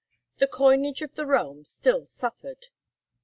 The coinage of the realm still suffered.